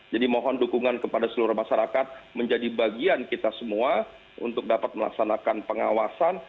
jadi mohon dukungan kepada seluruh masyarakat menjadi bagian kita semua untuk dapat melaksanakan pengawasan